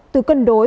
từ cân đối